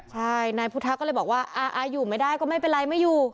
ใช่นายพุทธะก็เลยบอกว่าอยู่ไม่ได้ก็ไม่เป็นไรไม่อยู่